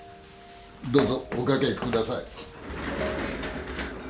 どうぞお掛けください。